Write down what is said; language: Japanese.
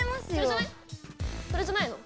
それじゃないの？